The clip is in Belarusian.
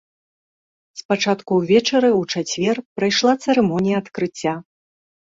Спачатку ўвечары ў чацвер прайшла цырымонія адкрыцця.